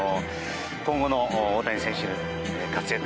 今後の大谷選手の活躍